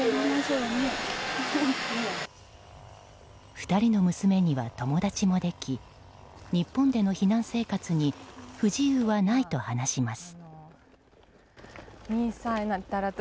２人の娘には友達もでき日本での避難生活に不自由はないと話します。